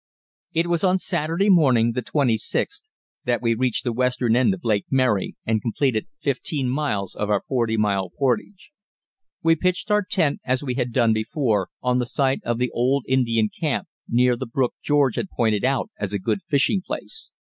It was on Saturday morning, the 26th, that we reached the western end of Lake Mary and completed fifteen miles of our forty mile portage. We pitched our tent, as we had done before, on the site of the old Indian camp, near the brook George had pointed out as a good fishing place.